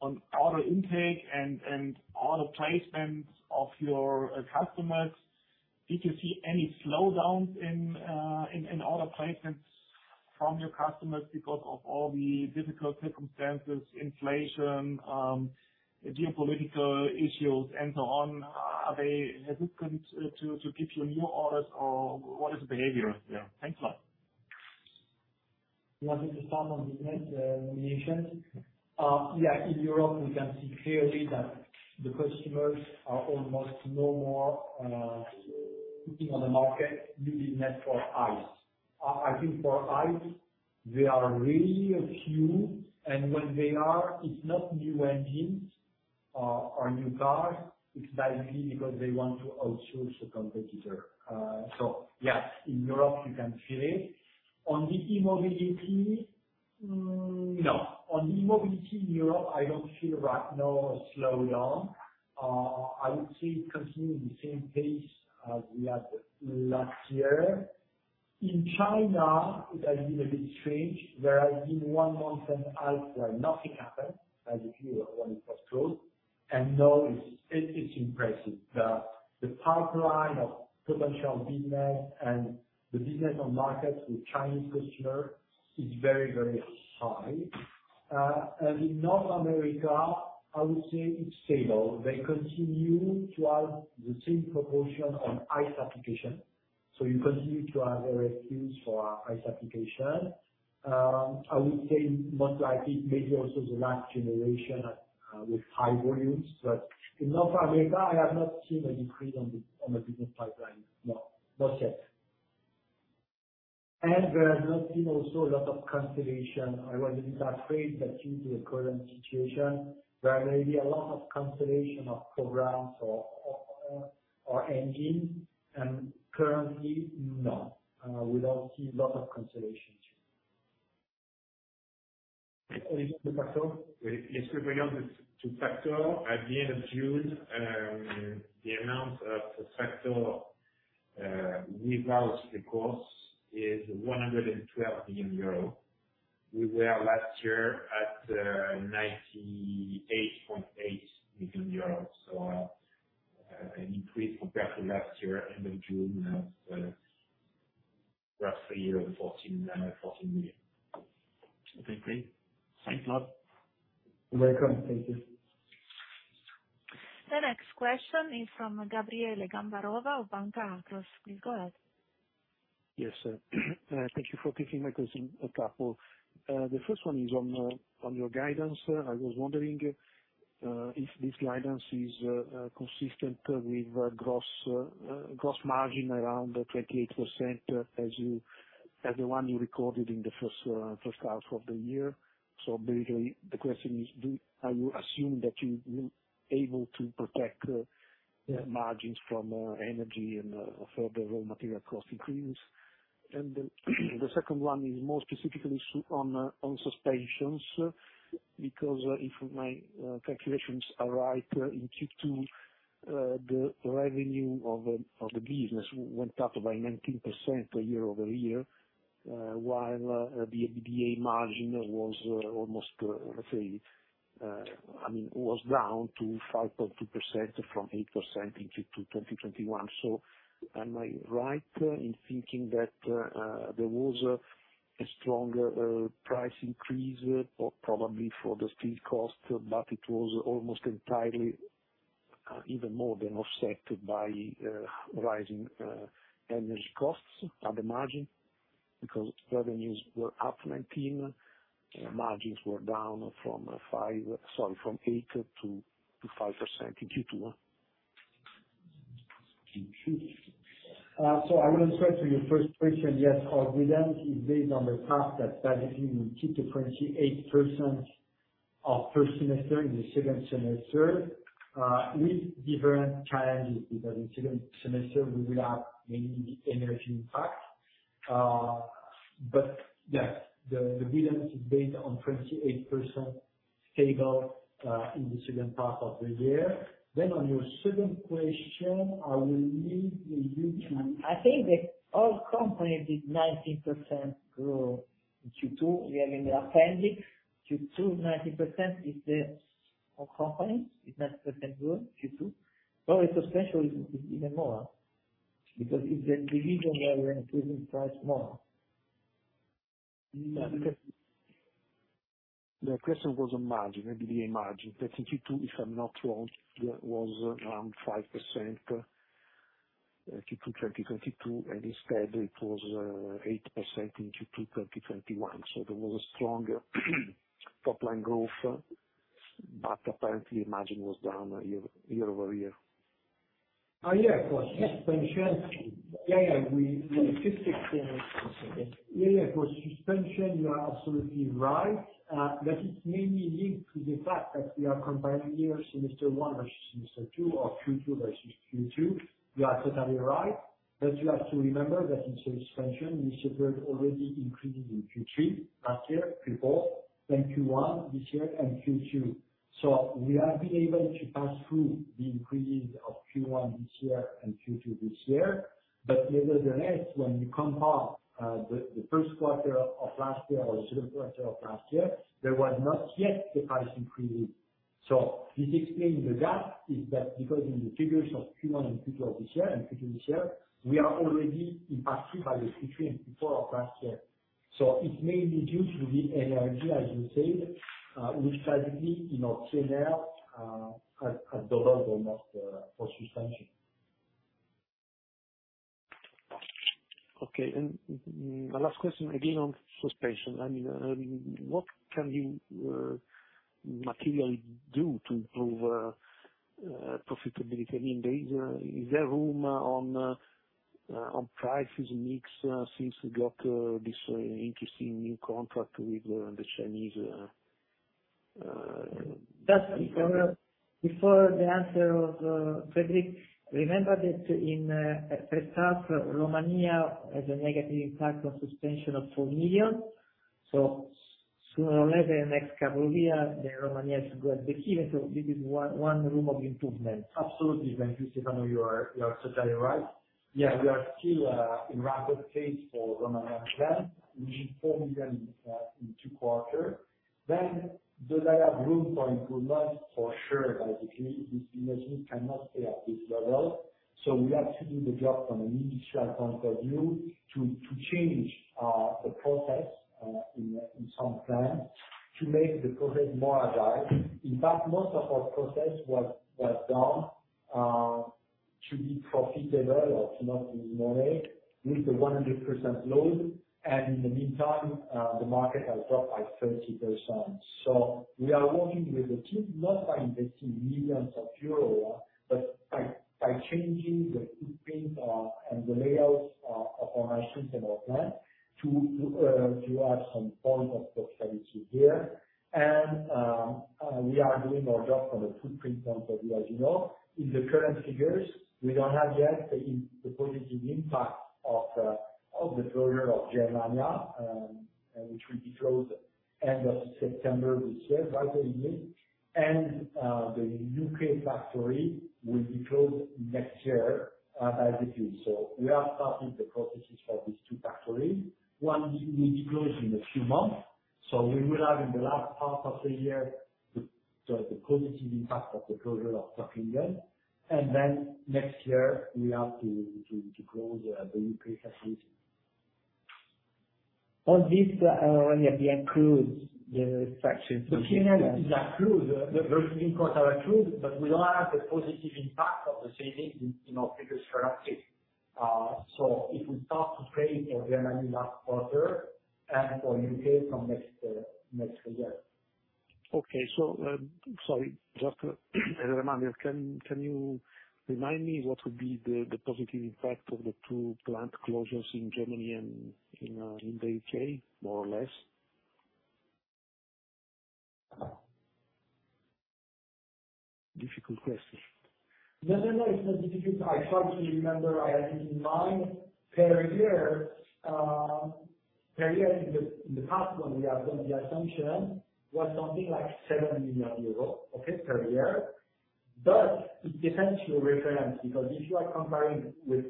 order intake and order placements of your customers. Did you see any slowdowns in order placements from your customers because of all the difficult circumstances, inflation, geopolitical issues and so on? Are they hesitant to give you new orders or what is the behavior there? Thanks a lot. You want me to start on business nominations? Yeah, in Europe we can see clearly that the customers are almost no more looking on the market using that for ICE. I think for ICE they are really a few, and when they are, it's not new engines or new cars, it's directly because they want to outsource to the competitor. So yes, in Europe you can feel it. On the e-mobility, no. On e-mobility in Europe I don't feel right now a slowdown. I would say it continues the same pace as we had last year. In China it has been a bit strange. There has been one month and a half where nothing happened, as if you want to close. Now it is impressive. The pipeline of potential business and the business on markets with Chinese customer is very, very high. In North America, I would say it's stable. They continue to have the same proportion on ICE application. You continue to have a robust for ICE application. I would say multiplied maybe also the last generation with high volumes. In North America I have not seen a decrease on the business pipeline, no. Not yet. There has not been also a lot of cancellation. I was a bit afraid that due to the current situation, there may be a lot of cancellation of programs or engines, and currently, no, we don't see a lot of cancellations. With regard to factoring, at the end of June, the amount of factoring without the cost is 112 million euros. We were last year at 98.8 million euros. An increase compared to last year, end of June of roughly 14 million. Okay, great. Thanks a lot. You're welcome. Thank you. The next question is from Gabriele Gambarova of Banca Akros. Please go ahead. Yes, sir. Thank you for taking my question, a couple. The first one is on your guidance. I was wondering if this guidance is consistent with gross margin around 28% as the one you recorded in the first half of the year. Basically, the question is are you assume that you will able to protect margins from energy and further raw material cost increase? The second one is more specifically on suspensions. Because if my calculations are right, in Q2 the revenue of the business went up by 19% year-over-year. While the EBITDA margin was almost, let's say, I mean, was down to 5.2% from 8% in Q2 2021. Am I right in thinking that there was a stronger price increase probably for the steel cost, but it was almost entirely even more than offset by rising energy costs at the margin because revenues were up 19%, margins were down from 8% to 5% in Q2. I will start with your first question. Yes, our guidance is based on the fact that if you keep the 28% of first semester in the second semester, with different challenges, because in second semester we will have mainly the energy impact. But yes, the guidance is based on 28% stable, in the second part of the year. On your second question, I will leave you to- I think that the company did 19% growth in Q2. We have in the appendix, Q2 19% is the whole company, 19% growth Q2. It's substantial, even more, because it's the division where we are increasing price more. The question was on margin, EBITDA margin, that in Q2, if I'm not wrong, that was around 5%, Q2 2022, and instead it was 8% in Q2 2021. There was a stronger top line growth, but apparently margin was down year over year. Yeah. For Suspension, you are absolutely right. That is mainly linked to the fact that we are comparing here semester one versus semester two or Q2 versus Q2. You are totally right. You have to remember that in Suspension, we suffered already increases in Q3 last year, Q4, then Q1 this year, and Q2. We have been able to pass through the increases of Q1 this year and Q2 this year. Nevertheless when you compare the first quarter of last year or the second quarter of last year, there was not yet the price increases. This explains the gap. That is because in the figures of Q1 and Q2 of this year and Q2 this year, we are already impacted by the Q3 and Q4 of last year. It's mainly due to the energy, as you said, which has been in our scenario at double the cost for Suspension. Okay. My last question, again, on Suspension. I mean, what can you materially do to improve profitability? I mean, is there room on price mix, since you got this interesting new contract with the Chinese. Just before the answer of Frédéric, remember that in first half, Romania has a negative impact on Suspension of 4 million. Sooner or later, next couple of year, the Romania should go break even. This is one room for improvement. Absolutely. Thank you, Stefano. You are totally right. Yeah. We are still in rapid phase for Romania plan, which is 4 million in 2Q. Then does that have room for improvement? For sure, like if you, this business cannot stay at this level. So we have to do the job from an industrial point of view to change the process in some plant to make the process more agile. In fact, most of our process was done to be profitable or to not lose money with the 100% load. In the meantime, the market has dropped by 30%. We are working with the team, not by investing millions euros, but by changing the footprint and the layouts of our machines and our plant to have some form of profitability there. We are doing our job from a footprint point of view, as you know. In the current figures, we don't have yet the positive impact of the closure of Germany, which will be closed end of September this year, right, Gabriele Gambarova? The U.K. factory will be closed next year, as agreed. We are starting the processes for these two factories. One will be closed in a few months, so we will have in the last half of the year the positive impact of the closure of the U.K. Next year we have to close the U.K. facility. All this already includes the reduction. The changes are included. The costs are included, but we don't have the positive impact of the savings in, you know, previous currency. If we start to pay Germany last quarter and for U.K. from next year. Okay. Sorry, just a reminder. Can you remind me what would be the positive impact of the two plant closures in Germany and in the U.K. more or less? Difficult question. No, no, it's not difficult. I try to remember. I have it in mind. Per year in the past when we have done the assumption was something like 7 million euros, okay, per year. It depends your reference, because if you are comparing with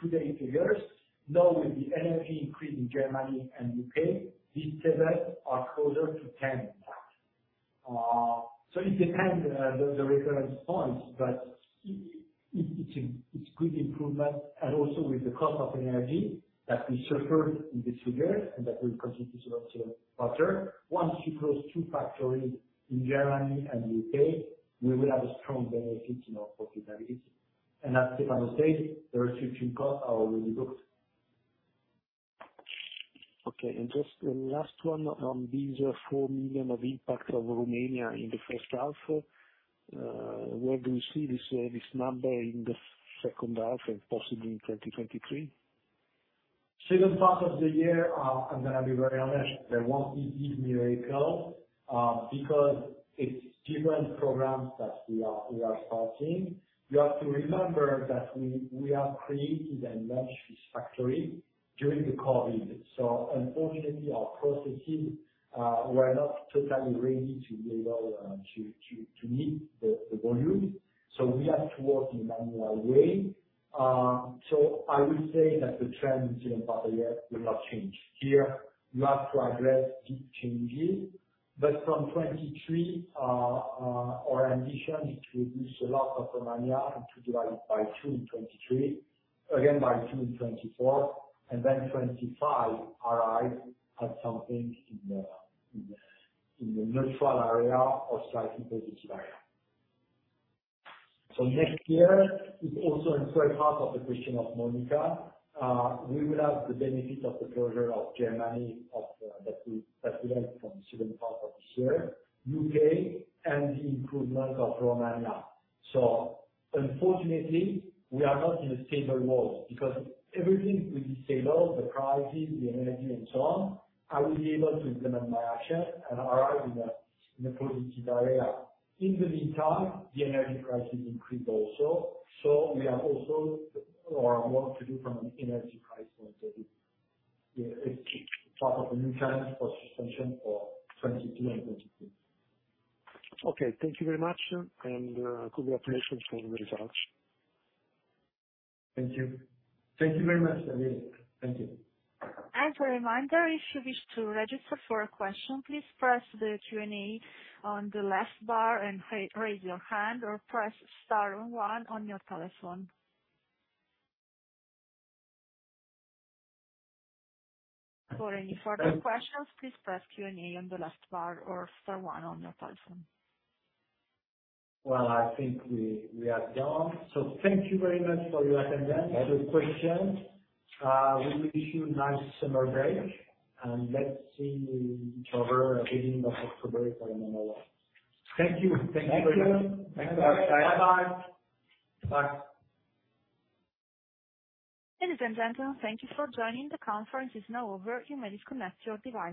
today's figures, now with the energy increase in Germany and U.K., these figures are closer to ten. So it depends the reference point, but it's a good improvement. Also with the cost of energy that we suffered in this figure and that will continue to suffer. Once you close two factories in Germany and U.K., we will have a strong benefit in our profitability. As Stefano said, the restructuring costs are already booked. Just one last one on these 4 million of impact of Romania in the first half. Where do you see this number in the second half and possibly in 2023? Second part of the year, I'm gonna be very honest, there won't be any miracles because it's different programs that we are starting. You have to remember that we have created and launched this factory during the COVID. Unfortunately our processes were not totally ready to be able to meet the volume. We have to work in manual way. I will say that the trend in second part of the year will not change. Here you have to address it changing. From 2023, our ambition is to reduce CapEx in Romania and to divide it by two in 2023, again by two in 2024, and then 2025 arrive at something in the neutral area or slightly positive area. Next year is also in the third part of the question of Monica. We will have the benefit of the closure in Germany that we learned from the second part of this year in the U.K., and the improvement of Romania. Unfortunately, we are not in a stable world because everything is really unstable, the prices, the energy and so on. I will be able to implement my action and arrive in a positive area. In the meantime, the energy prices increase also. We have also a lot of work to do from an energy price point of view. It's part of the new challenge for Suspension for 2022 and 2023. Okay. Thank you very much, and congratulations for the results. Thank you. Thank you very much, Emilio. Thank you. As a reminder, if you wish to register for a question, please press the Q&A on the left bar and raise your hand or press star and one on your telephone. For any further questions, please press Q&A on the left bar or star one on your telephone. Well, I think we are done. Thank you very much for your attendance and your questions. We wish you a nice summer break and let's see each other at the beginning of October for another one. Thank you. Thank you very much. Thank you. Bye-bye. Bye. Ladies and gentlemen, thank you for joining. The conference is now over. You may disconnect your devices.